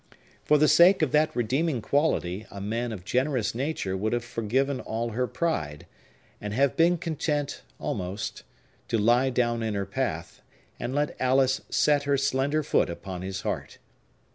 For the sake of that redeeming quality, a man of generous nature would have forgiven all her pride, and have been content, almost, to lie down in her path, and let Alice set her slender foot upon his heart.